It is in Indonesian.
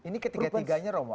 ini ketiga tiganya romo